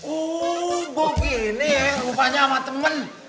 oh bagi ini rupanya sama temen